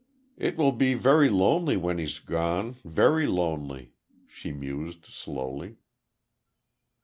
"It will be very lonely when he's gone very lonely," she mused, slowly.